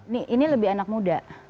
nih ini lebih anak muda